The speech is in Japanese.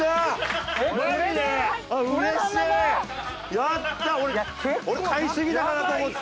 やった！